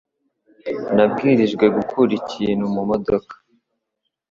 Nabwirijwe gukura ikintu mumodoka